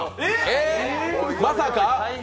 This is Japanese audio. まさか！